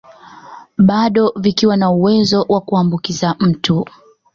Bado vikiwa na uwezo wa kuambukiza mtu